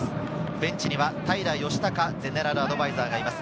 ベンチには平清孝ゼネラルアドバイザーがいます。